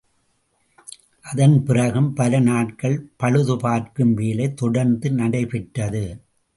அதன் பிறகும், பல நாட்கள் பழுதுபார்க்கும் வேலை தொடர்ந்து நடைபெற்றது.